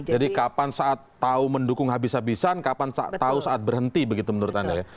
jadi kapan saat tahu mendukung habis habisan kapan tahu saat berhenti begitu menurut anda ya